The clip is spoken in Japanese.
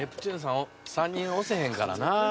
３人押せへんからな。